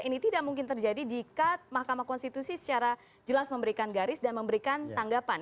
ini tidak mungkin terjadi jika mahkamah konstitusi secara jelas memberikan garis dan memberikan tanggapan